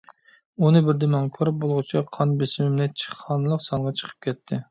ئۇنى بىر دېمەڭ. كۆرۈپ بولغۇچە قان بېسىمىم نەچچە خانىلىق سانغا چىقىپ كەتتى.